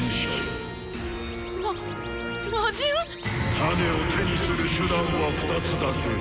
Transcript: タネを手にする手段は２つだけ！